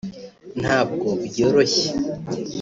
Ntabwo byoroshye